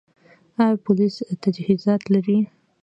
آیا پولیس تجهیزات لري؟